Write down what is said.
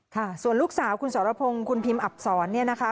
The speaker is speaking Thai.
ค่ะส่วนลูกสาวคุณสรพงศ์คุณพิมอับศรเนี่ยนะคะ